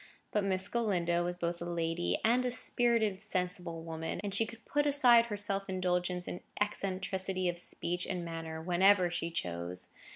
But Miss Galindo was both a lady and a spirited, sensible woman, and she could put aside her self indulgence in eccentricity of speech and manner whenever she chose.